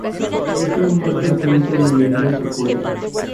Es en este punto donde entra su puerto.